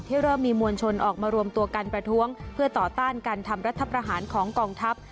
เริ่มมีมวลชนออกมารวมตัวกันประท้วงเพื่อต่อต้านการทำรัฐประหารของกองทัพ